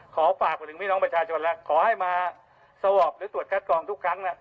ขอฝากผู้หญิงมีน้องประชาชนแล้วขอให้มาสวบหรือตรวจกัดกองทุกครั้ง